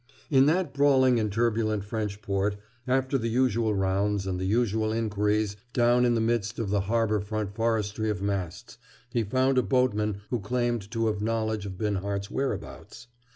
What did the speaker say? In that brawling and turbulent French port, after the usual rounds and the usual inquiries down in the midst of the harbor front forestry of masts, he found a boatman who claimed to have knowledge of Binhart's whereabouts.